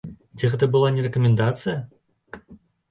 Ці гэта была не рэкамендацыя?